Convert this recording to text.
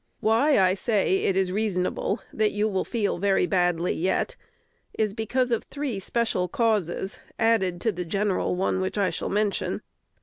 Why I say it is reasonable that you will feel very badly yet, is because of three special causes added to the general one which I shall mention.